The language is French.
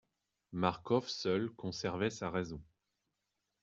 Marcof seul conservait sa raison.